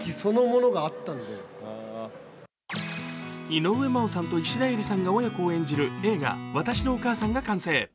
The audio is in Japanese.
井上真央さんと石田えりさんが親子を演じる映画「わたしのお母さん」が完成。